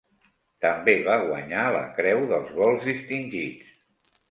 També va guanyar la Creu dels Vols Distingits.